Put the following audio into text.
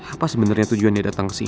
apa sebenernya tujuan dia dateng kesini